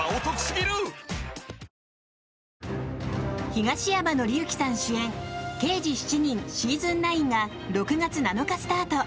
東山紀之さん主演「刑事７人シーズン９」が６月７日スタート。